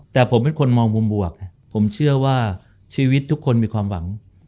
แต่ผมเป็นคนมองมุมบวกผมเชื่อว่าชีวิตทุกคนมีความหวัง